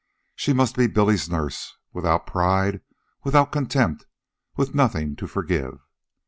She must be Billy's nurse, without pride, without contempt, with nothing to forgive.